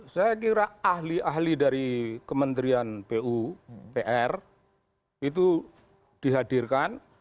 saya kira ahli ahli dari kementerian pu pr itu dihadirkan